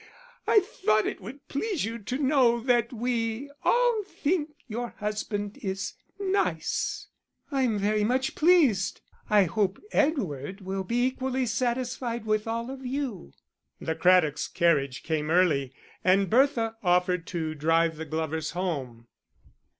I thought it would please you to know that we all think your husband is nice." "I'm very much pleased. I hope Edward will be equally satisfied with all of you." The Craddock's carriage came early, and Bertha offered to drive the Glovers home.